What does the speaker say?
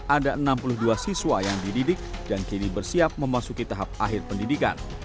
ada enam puluh dua siswa yang dididik dan kini bersiap memasuki tahap akhir pendidikan